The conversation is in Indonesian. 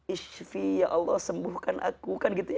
ishfi ya allah sembuhkan aku